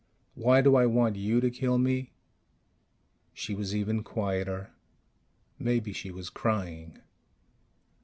Why do I want you to kill me?" She was even quieter. Maybe she was crying.